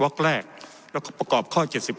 ็อกแรกแล้วก็ประกอบข้อ๗๑